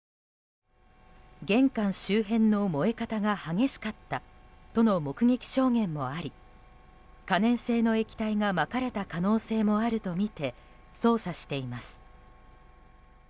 玄関周辺の燃え方が激しかったとの目撃証言もあり可燃性の液体がまかれた可能性もあるとみて捜査しています。